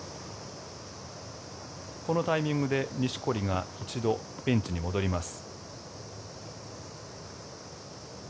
このタイミングで錦織が一度ベンチに戻ります。